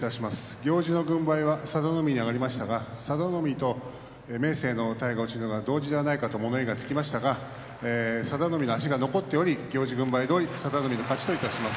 行司の軍配は佐田の海に上がりましたが佐田の海と明生の体が落ちるのが同時ではないかと物言いがつきましたが佐田の海は足が残っており行司軍配どおりに佐田の海の勝ちといたします。